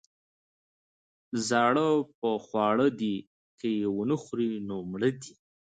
ـ زاړه په خواړه دي، که يې ونخوري نو مړه دي.